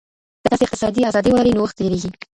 که تاسي اقتصادي ازادي ولرئ، نوښت ډېرېږي.